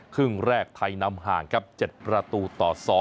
ครึ่งแรกไทยนำห่างครับ๗ประตูต่อ๒